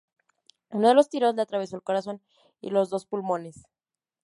Uno de los tiros le atravesó el corazón y los dos pulmones.